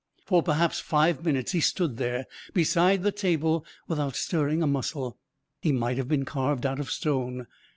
For perhaps five minutes he stood there beside the table without stirring a muscle. He might have been carved out of stone.